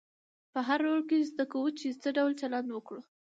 په هر رول کې زده کوو چې څه ډول چلند وکړو.